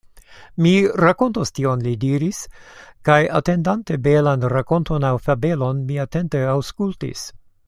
Mi rakontos tion, li diris, kaj atendante belan rakonton aŭ fabelon, mi atente aŭskultis.